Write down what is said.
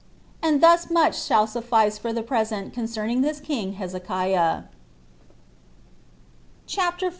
And thus much shall suffice for the present concerning this king Hezekiah. CHAPTER 14.